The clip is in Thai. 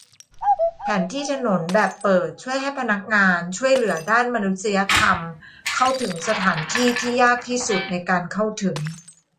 แผนที่ถนนแบบเปิดช่วยให้พนักงานช่วยเหลือด้านมนุษยธรรมเข้าถึงสถานที่ที่ยากที่สุดในการเข้าถึง